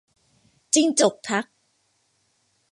จิ้งจกทัก